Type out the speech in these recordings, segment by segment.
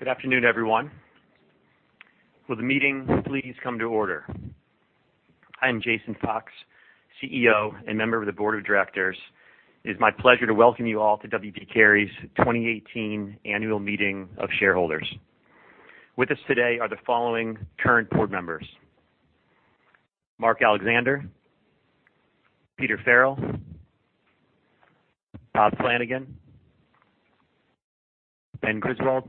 Good afternoon, everyone. Will the meeting please come to order? I am Jason Fox, CEO and member of the board of directors. It is my pleasure to welcome you all to W. P. Carey's 2018 annual meeting of shareholders. With us today are the following current board members: Mark Alexander, Peter Farrell, Robert Flanagan, Ben Griswold,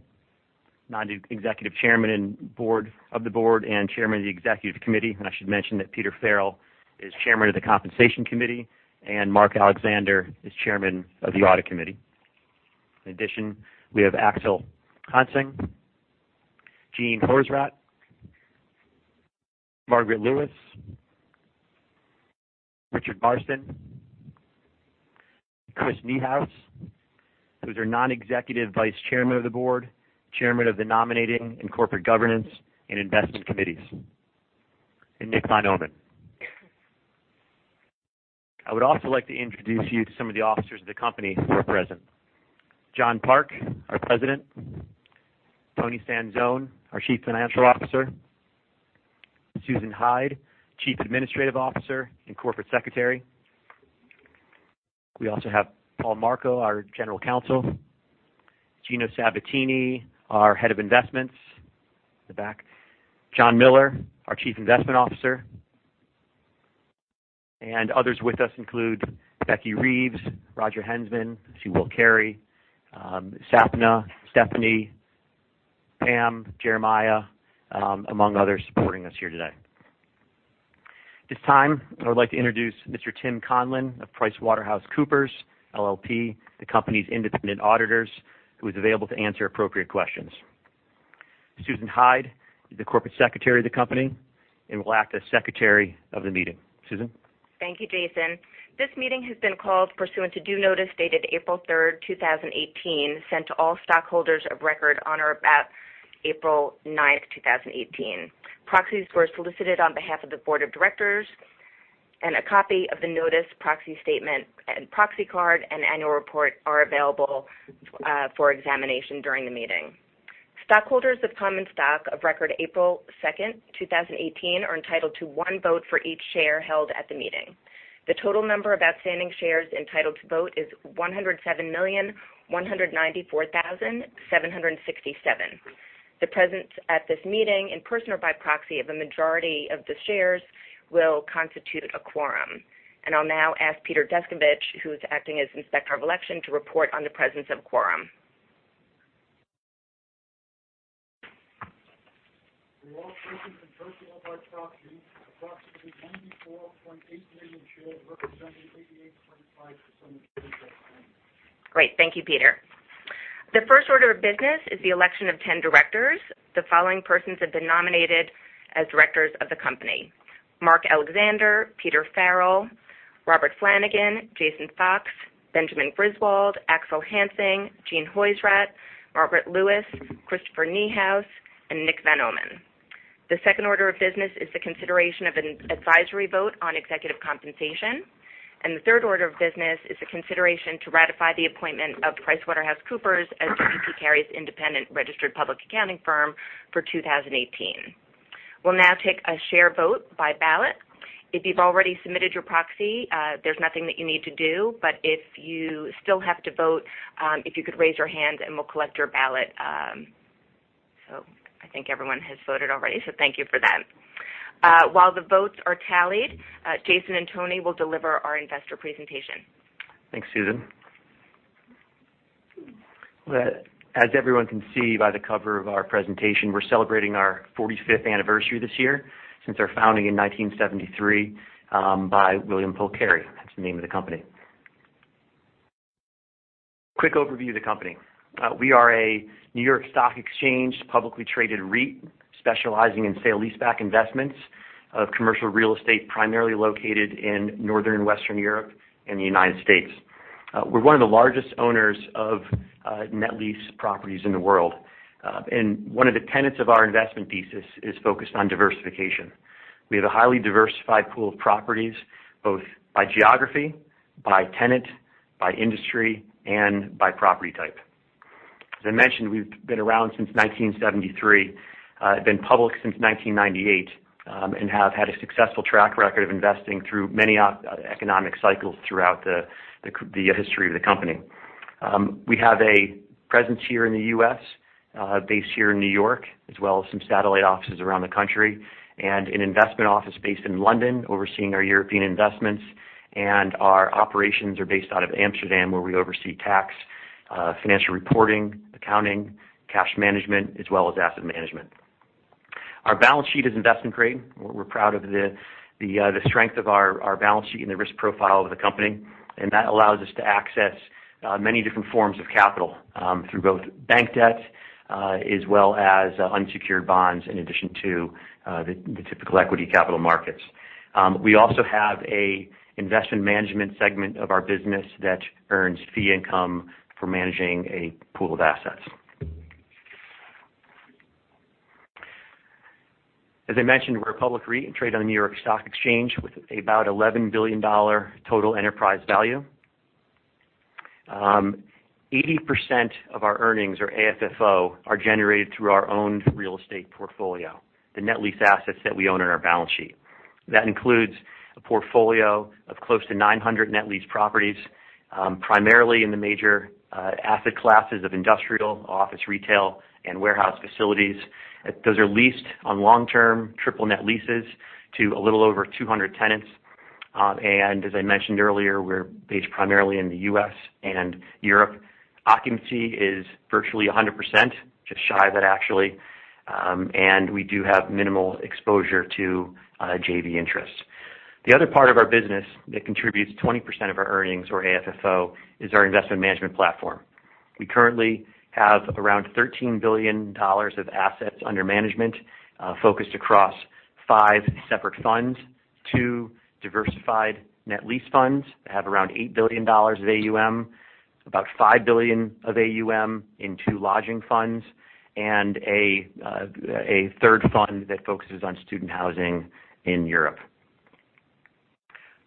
Non-Executive Chairman of the Board and Chairman of the Executive Committee. I should mention that Peter Farrell is Chairman of the Compensation Committee, and Mark Alexander is Chairman of the Audit Committee. In addition, we have Axel Hansing, Jean Hoysradt, Margaret Lewis, Richard Marston, Chris Niehaus, who is our Non-Executive Vice Chairman of the Board, Chairman of the Nominating and Corporate Governance and Investment Committees, and Nick van Ommen. I would also like to introduce you to some of the officers of the company who are present. John Park, our President, Toni Sanzone, our Chief Financial Officer, Susan Hyde, Chief Administrative Officer, and Corporate Secretary. We also have Paul Marco, our General Counsel, Gino Sabatini, our Head of Investments, in the back, John Miller, our Chief Investment Officer, and others with us include Becky Reeves, Roger Hensman, [Sue] Will Carey, Sapna, Stephanie, Pam, Jeremiah, among others supporting us here today. At this time, I would like to introduce Mr. Tim Conlon of PricewaterhouseCoopers LLP, the company's independent auditors, who is available to answer appropriate questions. Susan Hyde is the Corporate Secretary of the company and will act as Secretary of the meeting. Susan? Thank you, Jason. This meeting has been called pursuant to due notice dated April 3rd, 2018, sent to all stockholders of record on or about April 9th, 2018. Proxies were solicited on behalf of the board of directors. A copy of the notice, proxy statement, and proxy card and annual report are available for examination during the meeting. Stockholders of common stock of record April 2nd, 2018, are entitled to one vote for each share held at the meeting. The total number of outstanding shares entitled to vote is 107,194,767. The presence at this meeting, in person or by proxy, of a majority of the shares will constitute a quorum. I will now ask Peter Deskovich, who is acting as Inspector of Election, to report on the presence of quorum. We are present in person or by proxy, approximately 94.8 million shares representing 88.5% of the votes outstanding. Great. Thank you, Peter Deskovich. The first order of business is the election of 10 directors. The following persons have been nominated as directors of the company: Mark Alexander, Peter Farrell, Robert Flanagan, Jason Fox, Benjamin Griswold, Axel Hansing, Jean Hoysradt, Margaret Lewis, Christopher Niehaus, and Nick van Ommen. The second order of business is the consideration of an advisory vote on executive compensation. The third order of business is the consideration to ratify the appointment of PricewaterhouseCoopers as W. P. Carey's independent registered public accounting firm for 2018. We'll now take a share vote by ballot. If you've already submitted your proxy, there's nothing that you need to do. If you still have to vote, if you could raise your hand, and we'll collect your ballot. I think everyone has voted already, thank you for that. While the votes are tallied, Jason and Toni will deliver our investor presentation. Thanks, Susan Hyde. As everyone can see by the cover of our presentation, we're celebrating our 45th anniversary this year since our founding in 1973 by William Polk Carey. That's the name of the company. Quick overview of the company. We are a New York Stock Exchange publicly traded REIT specializing in sale leaseback investments of commercial real estate, primarily located in Northern and Western Europe and the U.S. We're one of the largest owners of net lease properties in the world. One of the tenets of our investment thesis is focused on diversification. We have a highly diversified pool of properties, both by geography, by tenant, by industry, and by property type. As I mentioned, we've been around since 1973, have been public since 1998, and have had a successful track record of investing through many economic cycles throughout the history of the company. We have a presence here in the U.S., based here in New York, as well as some satellite offices around the country, and an investment office based in London overseeing our European investments. Our operations are based out of Amsterdam, where we oversee tax, financial reporting, accounting, cash management, as well as asset management. Our balance sheet is investment grade. We're proud of the strength of our balance sheet and the risk profile of the company, that allows us to access many different forms of capital through both bank debt as well as unsecured bonds, in addition to the typical equity capital markets. We also have an investment management segment of our business that earns fee income for managing a pool of assets. As I mentioned, we're a public REIT and trade on the New York Stock Exchange with about $11 billion total enterprise value. 80% of our earnings or AFFO are generated through our owned real estate portfolio, the net lease assets that we own on our balance sheet. That includes a portfolio of close to 900 net lease properties, primarily in the major asset classes of industrial, office retail, and warehouse facilities. Those are leased on long-term triple net leases to a little over 200 tenants. As I mentioned earlier, we're based primarily in the U.S. and Europe. Occupancy is virtually 100%, just shy of it, actually, and we do have minimal exposure to JV interests. The other part of our business that contributes 20% of our earnings or AFFO is our investment management platform. We currently have around $13 billion of assets under management, focused across five separate funds, two diversified net lease funds that have around $8 billion of AUM, about $5 billion of AUM in two lodging funds, and a third fund that focuses on student housing in Europe.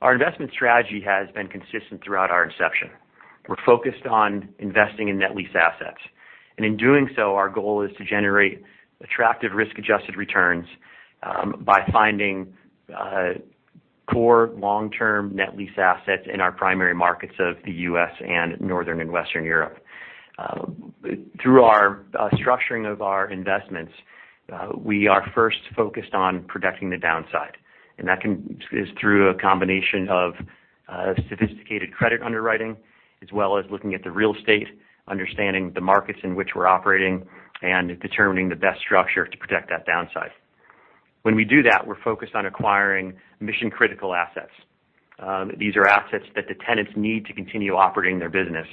Our investment strategy has been consistent throughout our inception. We're focused on investing in net lease assets, in doing so, our goal is to generate attractive risk-adjusted returns by finding core long-term net lease assets in our primary markets of the U.S. and Northern and Western Europe. Through our structuring of our investments, we are first focused on protecting the downside, that is through a combination of sophisticated credit underwriting as well as looking at the real estate, understanding the markets in which we're operating, and determining the best structure to protect that downside. When we do that, we're focused on acquiring mission-critical assets. These are assets that the tenants need to continue operating their business.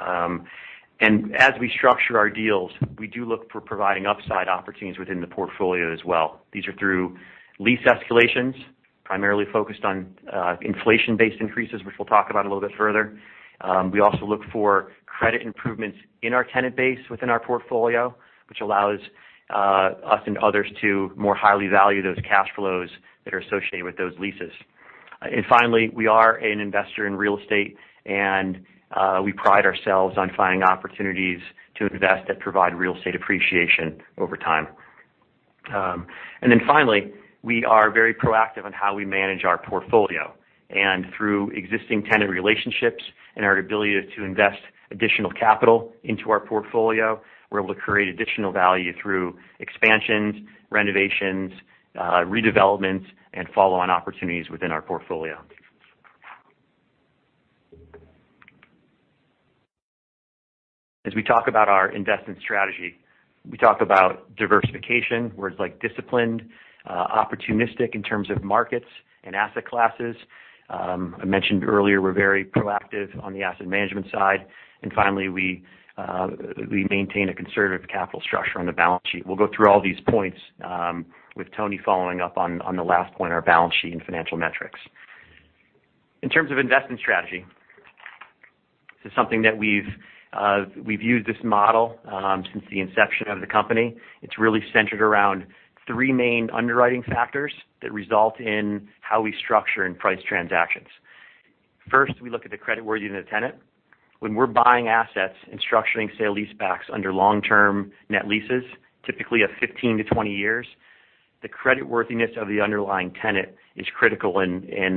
As we structure our deals, we do look for providing upside opportunities within the portfolio as well. These are through lease escalations, primarily focused on inflation-based increases, which we'll talk about a little bit further. We also look for credit improvements in our tenant base within our portfolio, which allows us and others to more highly value those cash flows that are associated with those leases. Finally, we are an investor in real estate, and we pride ourselves on finding opportunities to invest that provide real estate appreciation over time. Finally, we are very proactive on how we manage our portfolio. Through existing tenant relationships and our ability to invest additional capital into our portfolio, we're able to create additional value through expansions, renovations, redevelopments, and follow-on opportunities within our portfolio. As we talk about our investment strategy, we talk about diversification, words like disciplined, opportunistic in terms of markets and asset classes. I mentioned earlier we're very proactive on the asset management side. Finally, we maintain a conservative capital structure on the balance sheet. We'll go through all these points with Toni following up on the last point, our balance sheet and financial metrics. In terms of investment strategy, this is something that we've used this model since the inception of the company. It's really centered around three main underwriting factors that result in how we structure and price transactions. First, we look at the creditworthiness of the tenant. When we're buying assets and structuring sale leasebacks under long-term net leases, typically of 15-20 years, the creditworthiness of the underlying tenant is critical in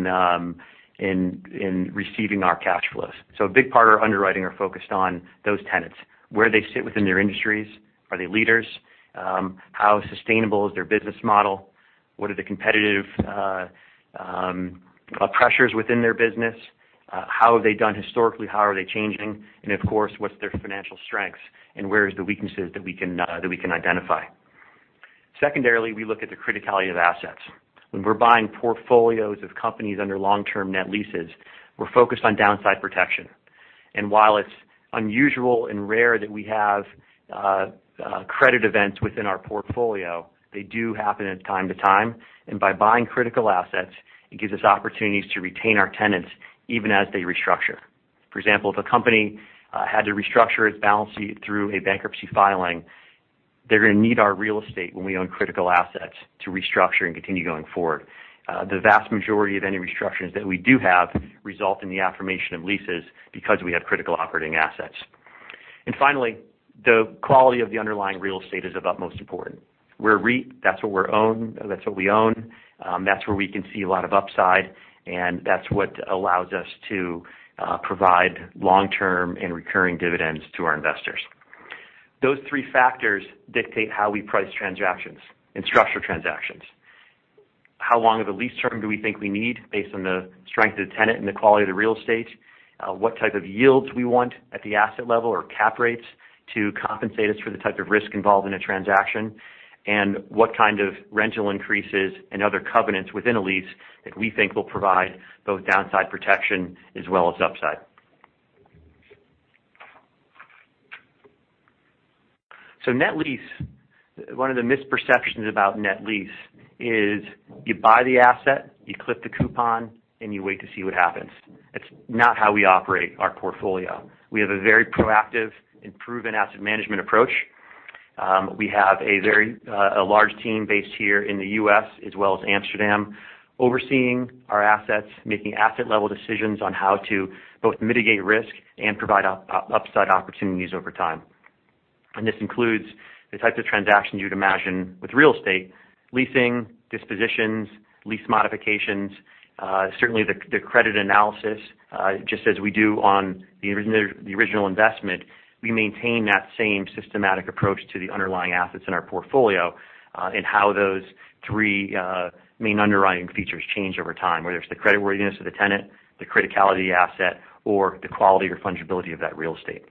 receiving our cash flows. A big part of our underwriting are focused on those tenants, where they sit within their industries. Are they leaders? How sustainable is their business model? What are the competitive pressures within their business? How have they done historically? How are they changing? Of course, what's their financial strengths, and where is the weaknesses that we can identify? Secondarily, we look at the criticality of assets. When we're buying portfolios of companies under long-term net leases, we're focused on downside protection. While it's unusual and rare that we have credit events within our portfolio, they do happen at time to time. By buying critical assets, it gives us opportunities to retain our tenants even as they restructure. For example, if a company had to restructure its balance sheet through a bankruptcy filing, they're going to need our real estate when we own critical assets to restructure and continue going forward. The vast majority of any restructures that we do have result in the affirmation of leases because we have critical operating assets. Finally, the quality of the underlying real estate is of utmost importance. We're a REIT. That's what we own. That's where we can see a lot of upside, and that's what allows us to provide long-term and recurring dividends to our investors. Those three factors dictate how we price transactions and structure transactions. How long of a lease term do we think we need based on the strength of the tenant and the quality of the real estate? What type of yields we want at the asset level or cap rates to compensate us for the type of risk involved in a transaction, and what kind of rental increases and other covenants within a lease that we think will provide both downside protection as well as upside. Net lease. One of the misperceptions about net lease is you buy the asset, you clip the coupon, and you wait to see what happens. That's not how we operate our portfolio. We have a very proactive and proven asset management approach. We have a very large team based here in the U.S. as well as Amsterdam overseeing our assets, making asset-level decisions on how to both mitigate risk and provide upside opportunities over time. This includes the types of transactions you'd imagine with real estate: leasing, dispositions, lease modifications. Certainly, the credit analysis, just as we do on the original investment, we maintain that same systematic approach to the underlying assets in our portfolio and how those three main underwriting features change over time, whether it's the creditworthiness of the tenant, the criticality asset, or the quality or fungibility of that real estate.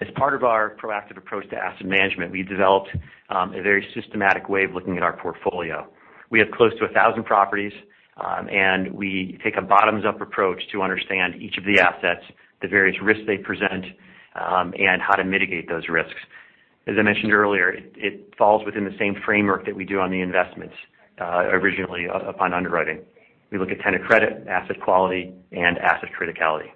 As part of our proactive approach to asset management, we developed a very systematic way of looking at our portfolio. We have close to 1,000 properties, and we take a bottoms-up approach to understand each of the assets, the various risks they present, and how to mitigate those risks. As I mentioned earlier, it falls within the same framework that we do on the investments originally upon underwriting. We look at tenant credit, asset quality, and asset criticality.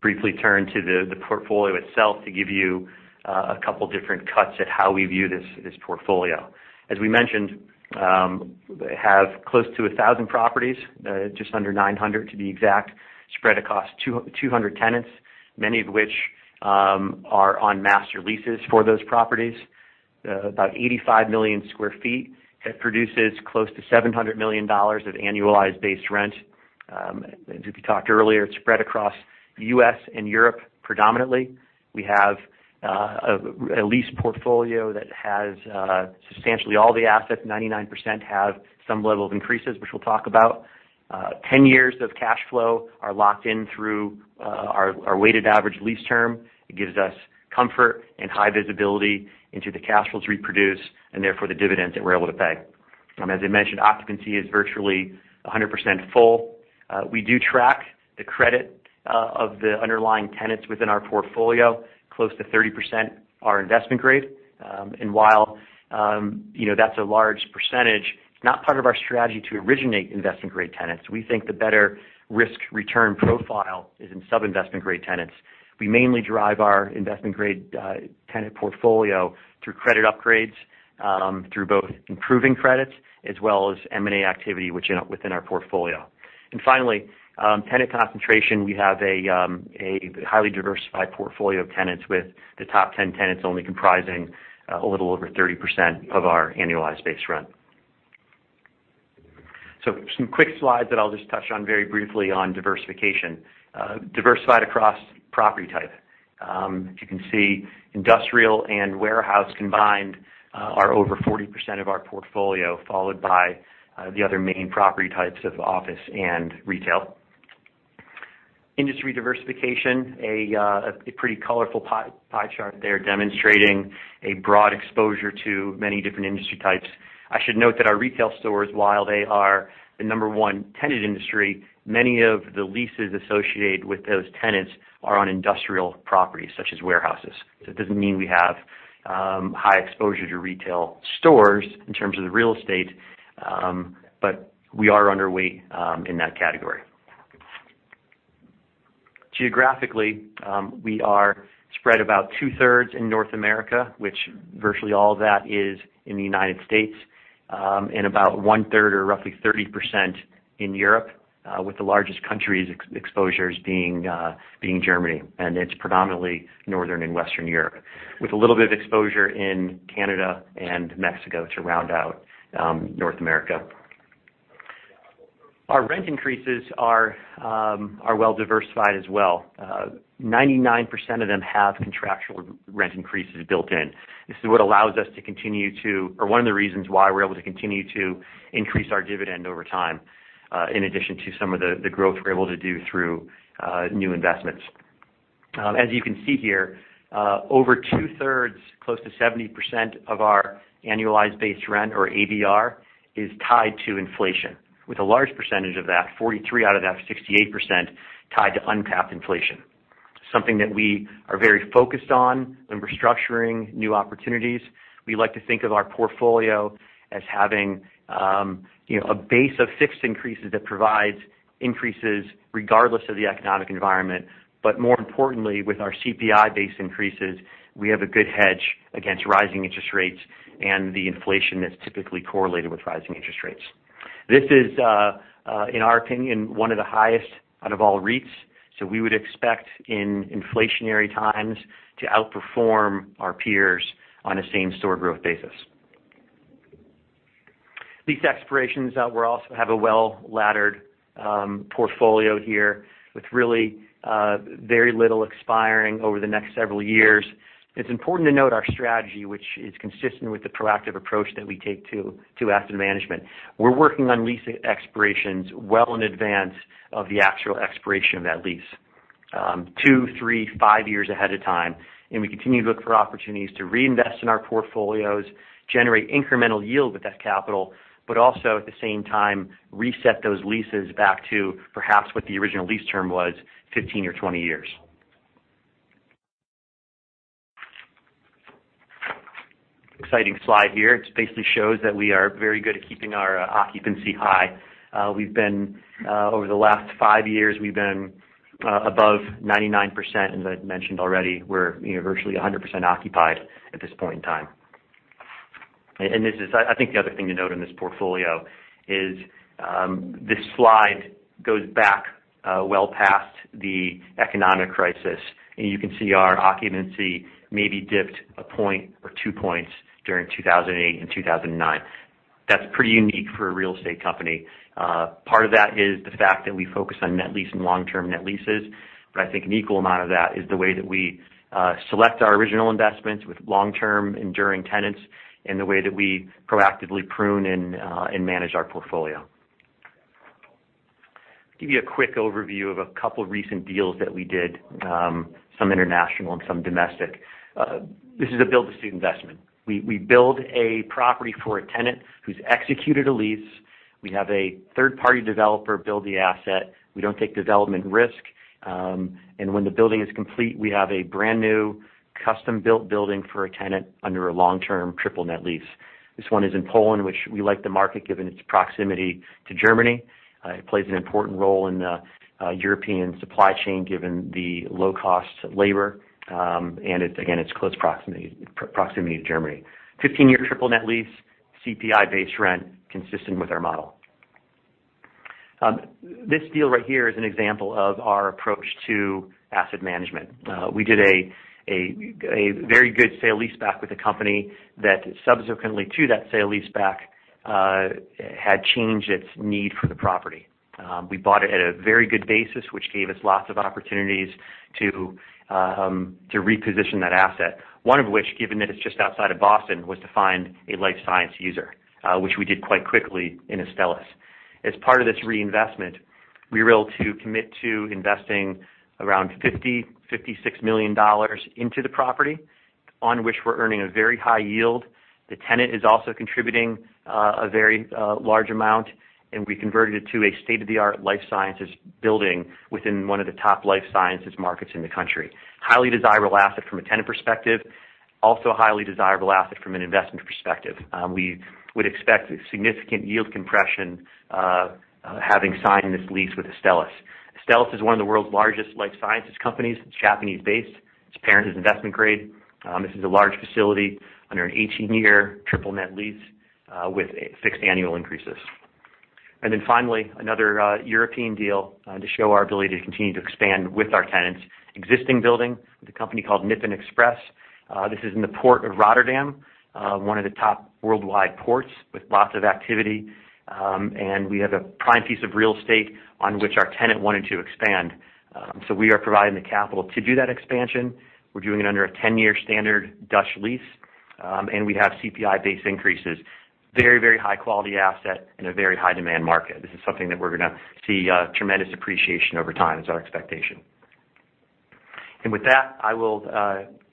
Briefly turn to the portfolio itself to give you a couple different cuts at how we view this portfolio. As we mentioned, they have close to 1,000 properties, just under 900 to be exact, spread across 200 tenants, many of which are on master leases for those properties. About 85 million square feet. It produces close to $700 million of annualized base rent. As we talked earlier, it's spread across the U.S. and Europe predominantly. We have a lease portfolio that has substantially all the assets. 99% have some level of increases, which we'll talk about. 10 years of cash flow are locked in through our weighted average lease term. It gives us comfort and high visibility into the cash flows we produce, and therefore, the dividends that we're able to pay. As I mentioned, occupancy is virtually 100% full. We do track the credit of the underlying tenants within our portfolio. Close to 30% are investment grade. While that's a large percentage, it's not part of our strategy to originate investment-grade tenants. We think the better risk-return profile is in sub-investment-grade tenants. We mainly drive our investment-grade tenant portfolio through credit upgrades, through both improving credits as well as M&A activity within our portfolio. Finally, tenant concentration. We have a highly diversified portfolio of tenants, with the top 10 tenants only comprising a little over 30% of our annualized base rent. Some quick slides that I'll just touch on very briefly on diversification. Diversified across property type. As you can see, industrial and warehouse combined are over 40% of our portfolio, followed by the other main property types of office and retail. Industry diversification, a pretty colorful pie chart there demonstrating a broad exposure to many different industry types. I should note that our retail stores, while they are the number one tenanted industry, many of the leases associated with those tenants are on industrial properties such as warehouses. It doesn't mean we have high exposure to retail stores in terms of the real estate, but we are underweight in that category. Geographically, we are spread about two-thirds in North America, which virtually all of that is in the United States, and about one-third or roughly 30% in Europe, with the largest countries exposures being Germany. It's predominantly Northern and Western Europe, with a little bit of exposure in Canada and Mexico to round out North America. Our rent increases are well diversified as well. 99% of them have contractual rent increases built in. This is what allows us to continue to, or one of the reasons why we're able to continue to increase our dividend over time, in addition to some of the growth we're able to do through new investments. As you can see here, over two-thirds, close to 70%, of our annualized base rent, or ABR, is tied to inflation, with a large percentage of that, 43 out of that 68%, tied to uncapped inflation. Something that we are very focused on when we're structuring new opportunities. We like to think of our portfolio as having a base of fixed increases that provides increases regardless of the economic environment, but more importantly, with our CPI-based increases, we have a good hedge against rising interest rates and the inflation that's typically correlated with rising interest rates. This is, in our opinion, one of the highest out of all REITs. We would expect in inflationary times to outperform our peers on a same-store growth basis. Lease expirations. We also have a well-laddered portfolio here with really very little expiring over the next several years. It's important to note our strategy, which is consistent with the proactive approach that we take to asset management. We're working on lease expirations well in advance of the actual expiration of that lease. Two, three, five years ahead of time, and we continue to look for opportunities to reinvest in our portfolios, generate incremental yield with that capital, but also, at the same time, reset those leases back to perhaps what the original lease term was 15 or 20 years. Exciting slide here. It basically shows that we are very good at keeping our occupancy high. Over the last five years, we've been above 99%, as I've mentioned already. We're virtually 100% occupied at this point in time. I think the other thing to note in this portfolio is, this slide goes back well past the economic crisis, and you can see our occupancy maybe dipped a point or two points during 2008 and 2009. That's pretty unique for a real estate company. Part of that is the fact that we focus on net lease and long-term net leases, but I think an equal amount of that is the way that we select our original investments with long-term enduring tenants, and the way that we proactively prune and manage our portfolio. Give you a quick overview of a couple recent deals that we did, some international and some domestic. This is a build-to-suit investment. We build a property for a tenant who's executed a lease. We have a third-party developer build the asset. We don't take development risk. When the building is complete, we have a brand new custom-built building for a tenant under a long-term triple net lease. This one is in Poland, which we like the market given its proximity to Germany. It plays an important role in the European supply chain, given the low cost of labor, and again, its close proximity to Germany. 15-year triple net lease, CPI-based rent consistent with our model. This deal right here is an example of our approach to asset management. We did a very good sale leaseback with a company that subsequently to that sale leaseback had changed its need for the property. We bought it at a very good basis, which gave us lots of opportunities to reposition that asset. One of which, given that it's just outside of Boston, was to find a life science user, which we did quite quickly in Astellas. As part of this reinvestment, we were able to commit to investing around $50 million, $56 million into the property, on which we're earning a very high yield. The tenant is also contributing a very large amount, and we converted it to a state-of-the-art life sciences building within one of the top life sciences markets in the country. Highly desirable asset from a tenant perspective, also highly desirable asset from an investment perspective. We would expect significant yield compression having signed this lease with Astellas. Astellas is one of the world's largest life sciences companies. It's Japanese based. Its parent is investment grade. This is a large facility under an 18-year triple net lease with fixed annual increases. Then finally, another European deal to show our ability to continue to expand with our tenants. Existing building with a company called Nippon Express. This is in the Port of Rotterdam, one of the top worldwide ports with lots of activity. We have a prime piece of real estate on which our tenant wanted to expand. We are providing the capital to do that expansion. We're doing it under a 10-year standard Dutch lease. We have CPI-based increases. Very high quality asset in a very high demand market. This is something that we're going to see tremendous appreciation over time, is our expectation. With that, I will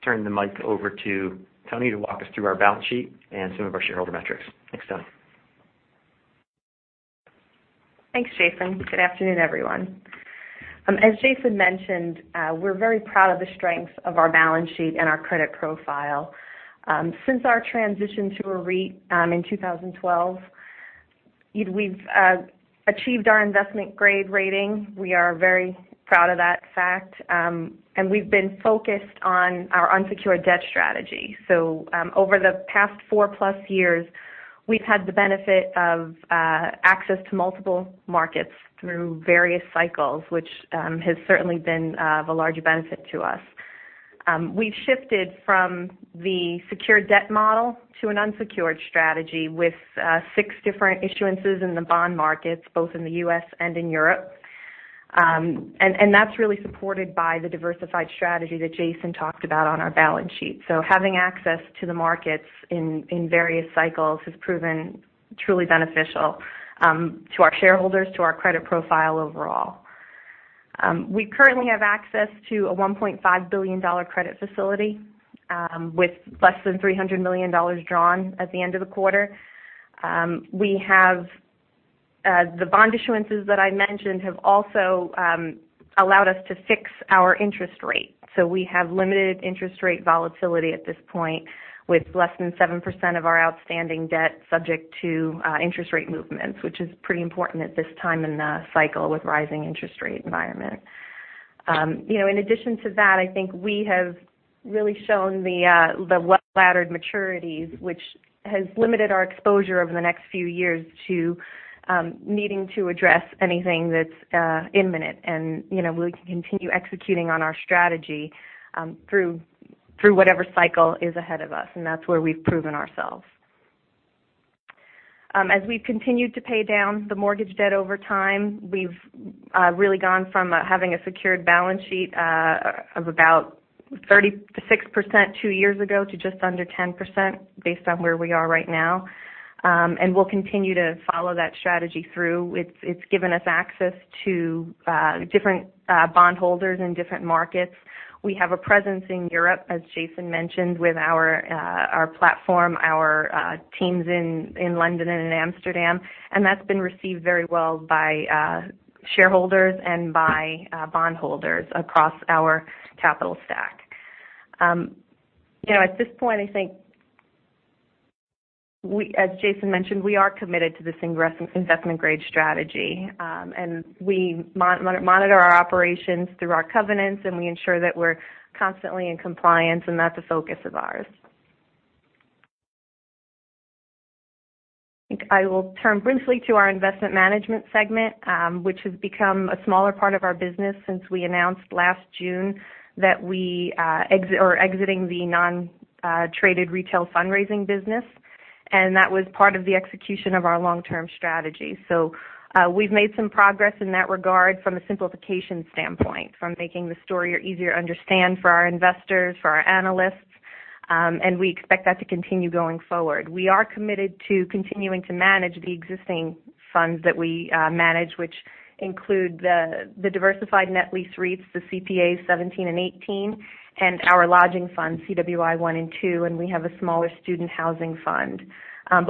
turn the mic over to Toni to walk us through our balance sheet and some of our shareholder metrics. Thanks, Toni. Thanks, Jason. Good afternoon, everyone. As Jason mentioned, we're very proud of the strength of our balance sheet and our credit profile. Since our transition to a REIT in 2012, we've achieved our investment grade rating. We are very proud of that fact. We've been focused on our unsecured debt strategy. Over the past four plus years, we've had the benefit of access to multiple markets through various cycles, which has certainly been of a large benefit to us. We've shifted from the secured debt model to an unsecured strategy with six different issuances in the bond markets, both in the U.S. and in Europe. That's really supported by the diversified strategy that Jason talked about on our balance sheet. Having access to the markets in various cycles has proven truly beneficial to our shareholders, to our credit profile overall. We currently have access to a $1.5 billion credit facility with less than $300 million drawn at the end of the quarter. The bond issuances that I mentioned have also allowed us to fix our interest rate. We have limited interest rate volatility at this point with less than 7% of our outstanding debt subject to interest rate movements, which is pretty important at this time in the cycle with rising interest rate environment. In addition to that, I think we have really shown the well-laddered maturities, which has limited our exposure over the next few years to needing to address anything that's imminent. We can continue executing on our strategy through whatever cycle is ahead of us, and that's where we've proven ourselves. As we've continued to pay down the mortgage debt over time, we've really gone from having a secured balance sheet of about 36% two years ago to just under 10% based on where we are right now. We'll continue to follow that strategy through. It's given us access to different bondholders in different markets. We have a presence in Europe, as Jason mentioned, with our platform, our teams in London and Amsterdam, and that's been received very well by shareholders and by bondholders across our capital stack. At this point, I think as Jason mentioned, we are committed to this investment-grade strategy. We monitor our operations through our covenants, and we ensure that we're constantly in compliance, and that's a focus of ours. I think I will turn briefly to our investment management segment, which has become a smaller part of our business since we announced last June that we are exiting the non-traded retail fundraising business. That was part of the execution of our long-term strategy. We've made some progress in that regard from a simplification standpoint, from making the story easier to understand for our investors, for our analysts, and we expect that to continue going forward. We are committed to continuing to manage the existing funds that we manage, which include the diversified net lease REITs, the CPA:17 and CPA:18, and our lodging fund, CWI 1 and 2, and we have a smaller student housing fund.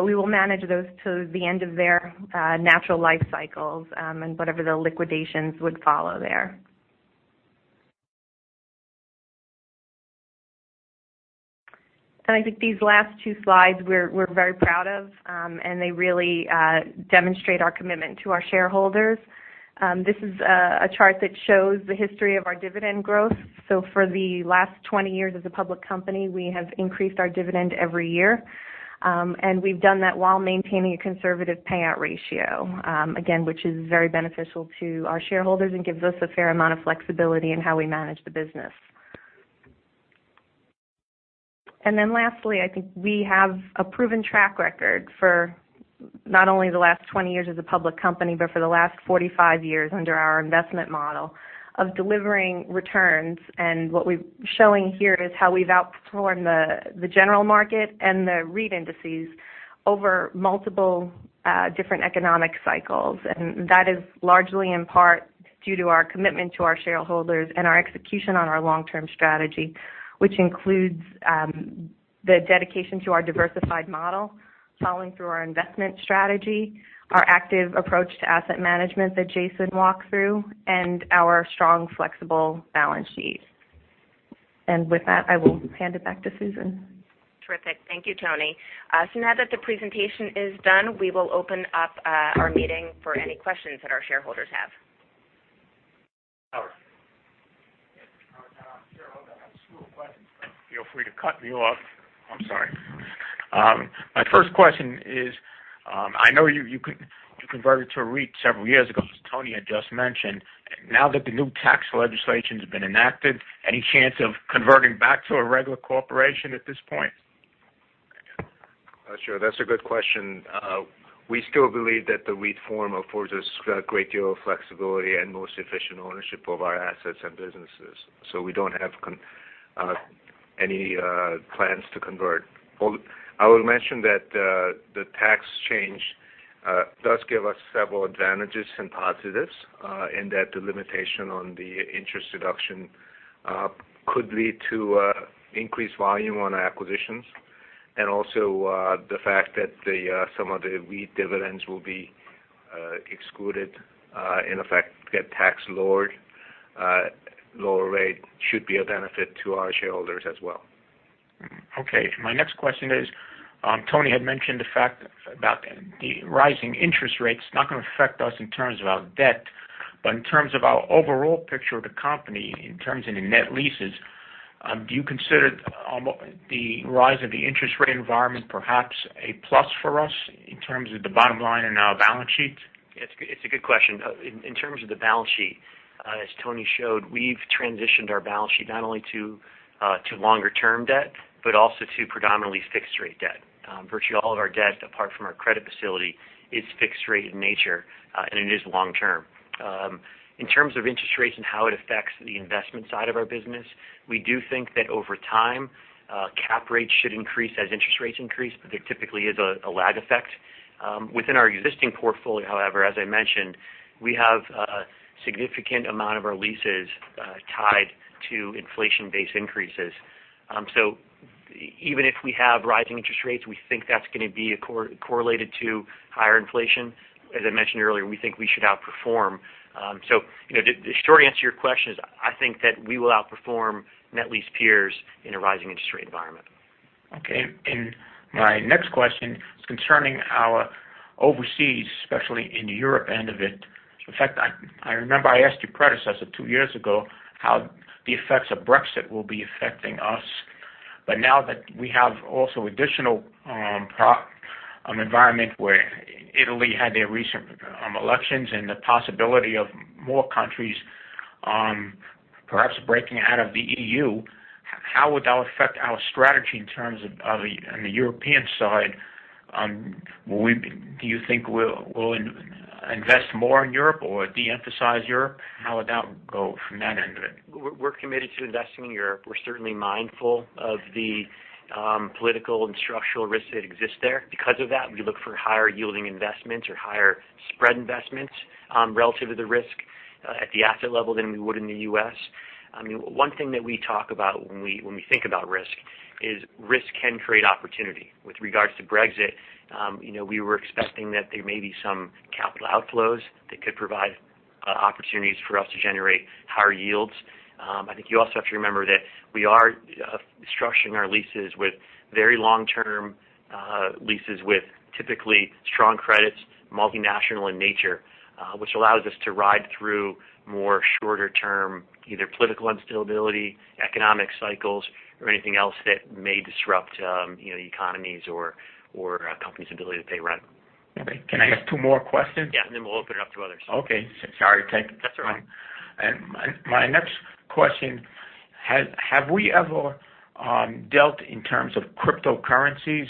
We will manage those to the end of their natural life cycles, and whatever the liquidations would follow there. I think these last two slides we're very proud of, and they really demonstrate our commitment to our shareholders. This is a chart that shows the history of our dividend growth. For the last 20 years as a public company, we have increased our dividend every year. We've done that while maintaining a conservative payout ratio, again, which is very beneficial to our shareholders and gives us a fair amount of flexibility in how we manage the business. Lastly, I think we have a proven track record for not only the last 20 years as a public company, but for the last 45 years under our investment model of delivering returns. What we're showing here is how we've outperformed the general market and the REIT indices over multiple different economic cycles. That is largely in part due to our commitment to our shareholders and our execution on our long-term strategy, which includes the dedication to our diversified model, following through our investment strategy, our active approach to asset management that Jason walked through, and our strong, flexible balance sheet. With that, I will hand it back to Susan. Terrific. Thank you, Toni. Now that the presentation is done, we will open up our meeting for any questions that our shareholders have. Howard. Yes. Shareholder, I have two questions. Feel free to cut me off. I'm sorry. My first question is, I know you converted to a REIT several years ago, as Toni had just mentioned. Now that the new tax legislation's been enacted, any chance of converting back to a regular corporation at this point? Sure, that's a good question. We still believe that the REIT form affords us a great deal of flexibility and more sufficient ownership of our assets and businesses. We don't have any plans to convert. I will mention that the tax change does give us several advantages and positives in that the limitation on the interest deduction could lead to increased volume on acquisitions. Also, the fact that some of the REIT dividends will be excluded, in effect, get tax lowered. Lower rate should be a benefit to our shareholders as well. Okay. My next question is, Toni had mentioned the fact about the rising interest rates not going to affect us in terms of our debt. In terms of our overall picture of the company, in terms of the net leases, do you consider the rise of the interest rate environment perhaps a plus for us in terms of the bottom line in our balance sheets? It's a good question. In terms of the balance sheet, as Toni showed, we've transitioned our balance sheet not only to longer-term debt, but also to predominantly fixed-rate debt. Virtually all of our debt, apart from our credit facility, is fixed rate in nature, and it is long term. In terms of interest rates and how it affects the investment side of our business, we do think that over time, cap rates should increase as interest rates increase, but there typically is a lag effect. Within our existing portfolio, however, as I mentioned, we have a significant amount of our leases tied to inflation-based increases. Even if we have rising interest rates, we think that's going to be correlated to higher inflation. As I mentioned earlier, we think we should outperform. The short answer to your question is, I think that we will outperform net lease peers in a rising interest rate environment. Okay. My next question is concerning our overseas, especially in the Europe end of it. In fact, I remember I asked your predecessor two years ago how the effects of Brexit will be affecting us. Now that we have also additional environment where Italy had their recent elections and the possibility of more countries perhaps breaking out of the EU, how would that affect our strategy in terms of the European side? Do you think we'll invest more in Europe or de-emphasize Europe? How would that go from that end of it? We're committed to investing in Europe. We're certainly mindful of the political and structural risks that exist there. Because of that, we look for higher yielding investments or higher spread investments relative to the risk at the asset level than we would in the U.S. One thing that we talk about when we think about risk is risk can create opportunity. With regards to Brexit. We were expecting that there may be some capital outflows that could provide opportunities for us to generate higher yields. I think you also have to remember that we are structuring our leases with very long-term leases with typically strong credits, multinational in nature, which allows us to ride through more shorter term, either political instability, economic cycles, or anything else that may disrupt economies or a company's ability to pay rent. Okay. Can I ask two more questions? Yeah. Then we'll open it up to others. Okay. Sorry to take- That's all right My next question, have we ever dealt in terms of cryptocurrencies,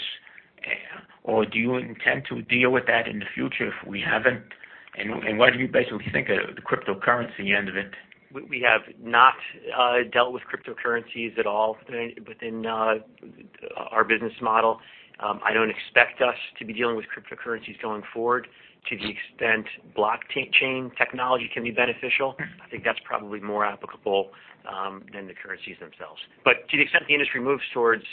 or do you intend to deal with that in the future if we haven't? What do you basically think of the cryptocurrency end of it? We have not dealt with cryptocurrencies at all within our business model. I don't expect us to be dealing with cryptocurrencies going forward to the extent blockchain technology can be beneficial. I think that's probably more applicable than the currencies themselves. To the extent the industry moves towards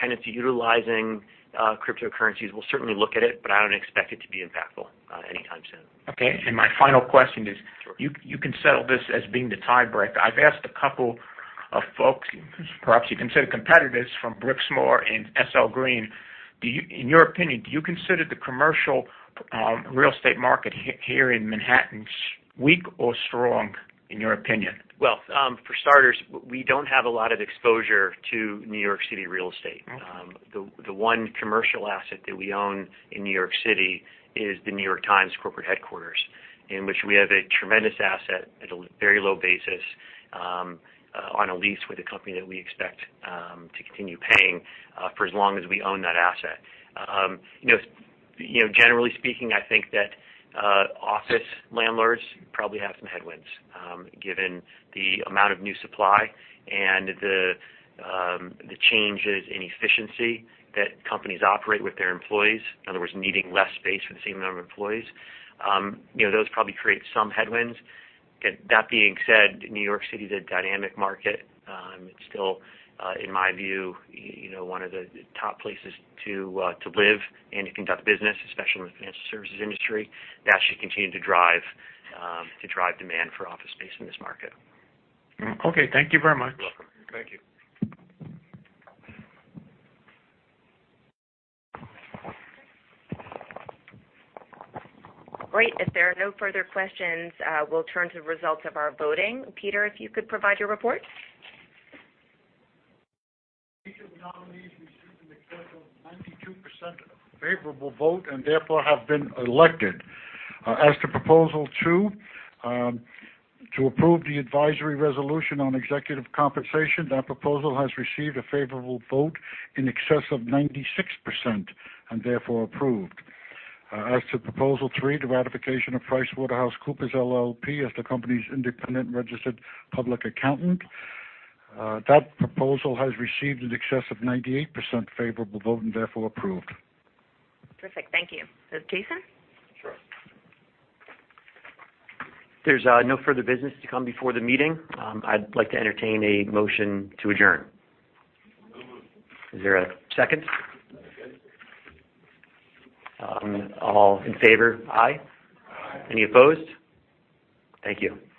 tenants utilizing cryptocurrencies, we'll certainly look at it, but I don't expect it to be impactful anytime soon. Okay. My final question is. Sure You can settle this as being the tiebreaker. I've asked a couple of folks, perhaps you consider competitors from Brookfield and SL Green. In your opinion, do you consider the commercial real estate market here in Manhattan weak or strong, in your opinion? Well, for starters, we don't have a lot of exposure to New York City real estate. Okay. The one commercial asset that we own in New York City is The New York Times corporate headquarters, in which we have a tremendous asset at a very low basis on a lease with a company that we expect to continue paying for as long as we own that asset. Generally speaking, I think that office landlords probably have some headwinds, given the amount of new supply and the changes in efficiency that companies operate with their employees, in other words, needing less space for the same number of employees. Those probably create some headwinds. That being said, New York City is a dynamic market. It's still, in my view, one of the top places to live and to conduct business, especially in the financial services industry. That should continue to drive demand for office space in this market. Okay. Thank you very much. You're welcome. Thank you. Great. If there are no further questions, we'll turn to the results of our voting. Peter, if you could provide your report. Each of the nominees received in excess of 92% favorable vote and therefore have been elected. As to proposal two, to approve the advisory resolution on executive compensation, that proposal has received a favorable vote in excess of 96% and therefore approved. As to proposal three, the ratification of PricewaterhouseCoopers LLP as the company's independent registered public accountant, that proposal has received in excess of 98% favorable vote and therefore approved. Perfect. Thank you. Jason? Sure. If there's no further business to come before the meeting, I'd like to entertain a motion to adjourn. Moved. Is there a second? Second. All in favor, aye. Aye. Any opposed? Thank you. Thank you. Thank you.